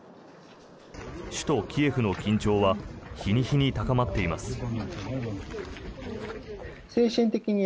首都キエフの緊張は日に日に高まっています。